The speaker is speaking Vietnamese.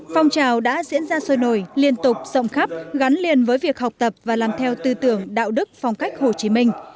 phong trào đã diễn ra sôi nổi liên tục rộng khắp gắn liền với việc học tập và làm theo tư tưởng đạo đức phong cách hồ chí minh